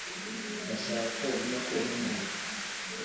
Ndashaka ko umenya ko uri umwihariko